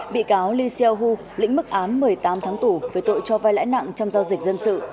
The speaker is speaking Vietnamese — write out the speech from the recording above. bị cáo li seou lĩnh mức án một mươi tám tháng tù về tội cho vai lãi nặng trong giao dịch dân sự